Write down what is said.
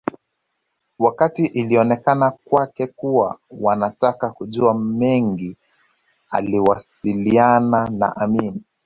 Wakati ilionekana kwake kuwa wanataka kujua mengi aliwasiliana na Amin